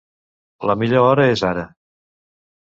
La millor hora és «ara».